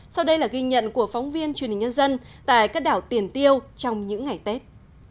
sau đây là ghi nhận của phóng viên truyền hình nhân dân tại các đảo tiền tiêu trong những ngày tết